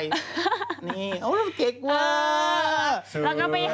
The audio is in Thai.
นี่โอ้เราเก่งเวอร์